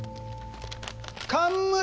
冠！